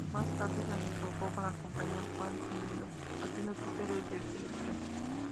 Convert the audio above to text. Más tarde se enroló con la compañía "Juan sin Miedo" haciendo títeres en televisión.